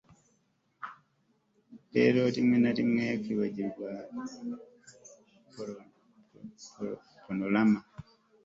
rero, rimwe na rimwe kwibagirwa panorama